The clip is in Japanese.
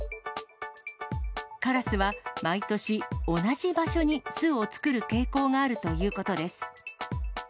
カラスは、毎年同じ場所に巣を作る傾向があるということです。